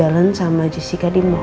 bareng sama feli sekretarisnya mas al